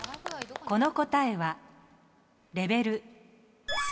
この答えはレベル３。